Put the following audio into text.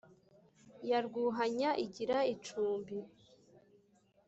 ya rwuhanya igira icumbi.